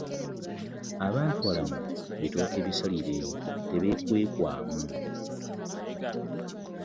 Abantu balamu bitooke bisalire tebyekwekwamu.